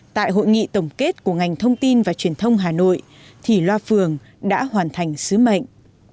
tại hội nghị tổng kết của ngành thông tin và truyền thông hà nội thì loa phường đã hoàn thành sứ mệnh